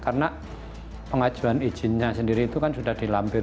karena pengajuan izinnya sendiri itu kan sudah dilampirkan